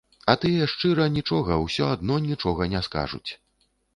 А тыя шчыра нічога ўсё адно нічога не скажуць.